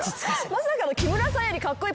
まさかの。